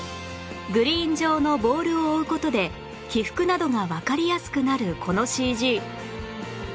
グリーン上のボールを追う事で起伏などがわかりやすくなるこの ＣＧ